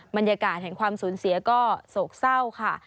บรรยากาศแห่งความสูญเสียก็โศกเศร้าค่ะ